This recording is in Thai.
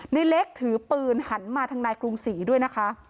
ในเล็กถือปืนหันมาทางนายกรุงศรีด้วยนะคะ